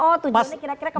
oh tujuannya kira kira kemana